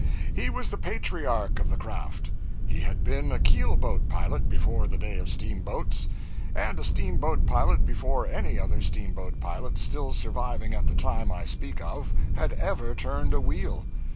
He was the patriarch of the craft; he had been a keelboat pilot before the day of steamboats; and a steamboat pilot before any other steamboat pilot, still surviving at the time I speak of, had ever turned a wheel.